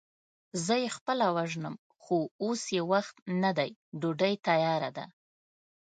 زه يې خپله وژنم، خو اوس يې وخت نه دی، ډوډۍ تياره ده.